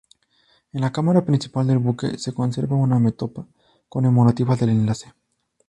En la cámara principal del buque se conserva una metopa conmemorativa del enlace.